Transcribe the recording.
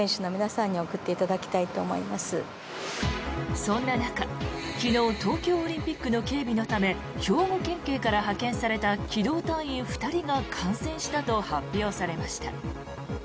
そんな中、昨日東京オリンピックの警備のため兵庫県警から派遣された機動隊員２人が感染したと発表されました。